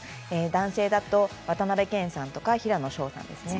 男性だと渡辺謙さんや平野紫耀さんですね。